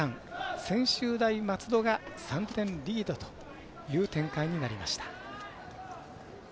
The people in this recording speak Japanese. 専修大松戸が３点リードという展開になりました。